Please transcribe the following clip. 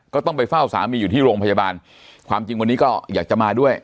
ต้องไปเฝ้าสามีอยู่ที่โรงพยาบาลความจริงวันนี้ก็อยากจะมาด้วย